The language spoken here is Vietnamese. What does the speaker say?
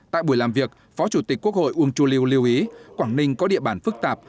tại buổi làm việc phó chủ tịch quốc hội uông chu lưu lưu ý quảng ninh có địa bàn phức tạp